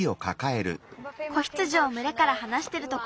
子羊をむれからはなしてるとこ。